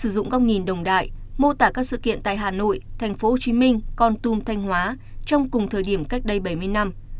một góc nhìn đồng đại mô tả các sự kiện tại hà nội tp hcm con tùm thanh hóa trong cùng thời điểm cách đây bảy mươi năm